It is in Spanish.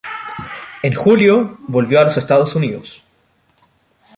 En julio volvió a los Estados Unidos.